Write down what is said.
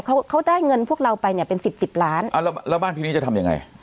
เขาเขาได้เงินพวกเราไปเนี่ยเป็นสิบสิบล้านอ่าแล้วแล้วบ้านพี่นี้จะทำยังไง